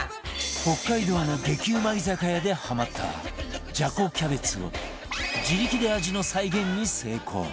北海道の激うま居酒屋でハマったじゃこキャベツを自力で味の再現に成功